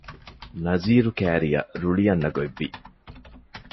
ނަޒީރު ކައިރިއަށް ރުޅި އަންނަ ގޮތް ވި